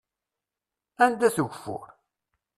Anda-t ugeffur?